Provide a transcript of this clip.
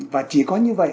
và chỉ có như vậy